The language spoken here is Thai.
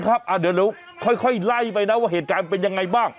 เดี๋ยวค่อยไล่ไปนะว่าเหตุการณ์มันเป็นยังไงบ้าง